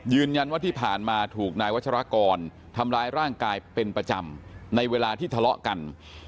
ยืนยันว่าที่ผ่านมาถูกนายวัชรากรทำร้ายร่างกายเป็นประจำในเวลาที่ทะเลาะกัน